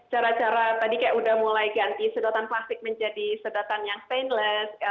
cara cara tadi kayak udah mulai ganti sedotan plastik menjadi sedotan yang stainless